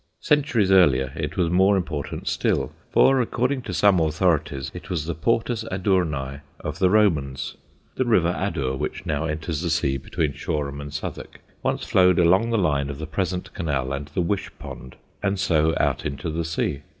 Centuries earlier it was more important still, for, according to some authorities, it was the Portus Adurni of the Romans. The river Adur, which now enters the sea between Shoreham and Southwick, once flowed along the line of the present canal and the Wish Pond, and so out into the sea.